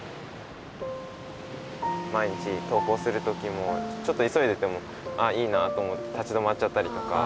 毎日とう校するときもちょっといそいでても「あいいな」と思って立ち止まっちゃったりとか。